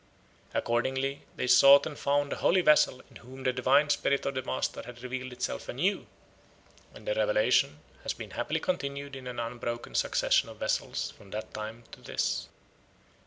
Accordingly they sought and found a holy vessel in whom the divine spirit of the master had revealed itself anew, and the revelation has been happily continued in an unbroken succession of vessels from that time to this.